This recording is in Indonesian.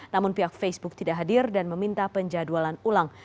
namun pihak facebook tidak hadir dan meminta penjadwalan ulang